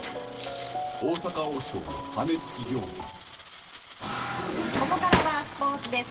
ニトリここからはスポーツです。